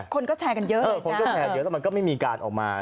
คนก็แชร์กันเยอะ